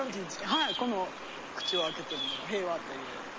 はいこの口を開けてるのが平和という女の子で。